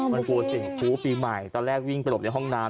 มันกลัวสิ่งครูปีใหม่ตอนแรกวิ่งไปหลบในห้องน้ำ